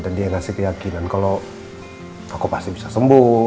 dan dia yang kasih keyakinan kalau aku pasti bisa sembuh